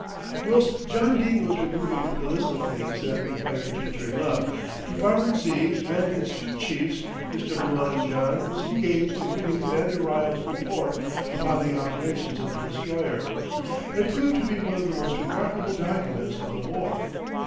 Whilst John Dene was removing, from the list of things that required gingering up, Department Z. and its two chiefs, Mr. Llewellyn John was engaged in reading Commander Ryles's report upon the operations of the Destroyer. It proved to be one of the most remarkable documents of the war.